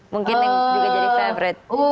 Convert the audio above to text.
mungkin yang juga jadi favorit